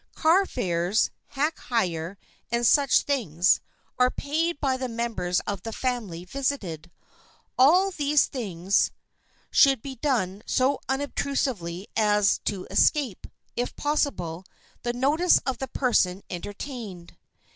Car fares, hack hire and such things, are paid by the members of the family visited. All these things should be done so unobtrusively as to escape, if possible, the notice of the person entertained.